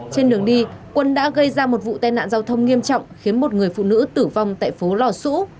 trên đường đi quân đã gây ra một vụ tai nạn giao thông nghiêm trọng khiến một người phụ nữ tử vong tại phố lò xũ